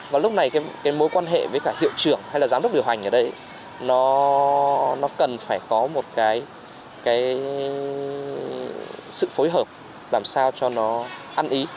và lúc này cái mối quan hệ với cả hiệu trưởng hay là giám đốc điều hành ở đấy nó cần phải có một cái sự phối hợp làm sao cho nó ăn ý